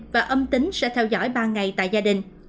và âm tính sẽ theo dõi ba ngày tại gia đình